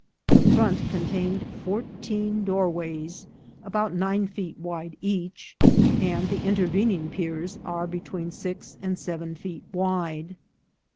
The front contained four teen doorways, about nine feet wide each, and the in tervening piers are between six and seven feet wide.